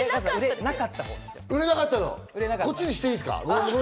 売れなかったのはこっちにしていいですか？